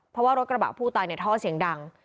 เพราะว่ารถกระบะผู้ตายเนี่ยท่อเสียงดัง